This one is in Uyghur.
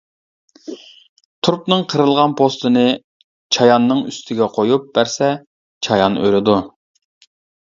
تۇرۇپنىڭ قىرىلغان پوستىنى چاياننىڭ ئۈستىگە قويۇپ بەرسە، چايان ئۆلىدۇ.